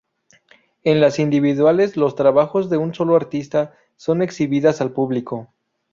En las individuales los trabajos de un solo artista son exhibidas al público.